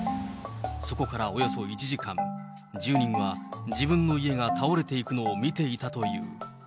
そこからおよそ１時間、住人は自分の家が倒れていくのを見ていたという。